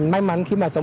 may mắn khi mà sống